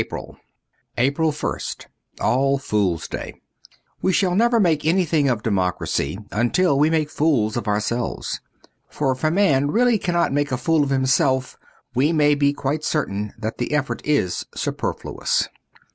PRIL APRIL ist ALL FOOLS' DAY WE shall never make anything of democracy until we make fools of ourselves. For if a man really cannot make a fool of him self, we may be quite certain that the effort is superfluous.